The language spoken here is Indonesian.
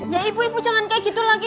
ya ibu ibu jangan kayak gitu lagi